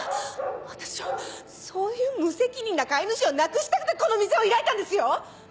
私はそういう無責任な飼い主をなくしたくてこの店を開いたんですよ！